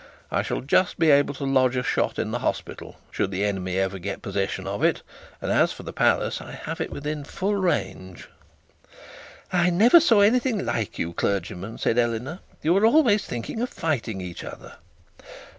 I shall just be able to lodge a shot in the hospital, should the enemy ever get possession of it; and as for the palace, I have it within full range.' 'I never saw anything like you clergymen,' said Eleanor; 'you are always thinking of fighting each other.'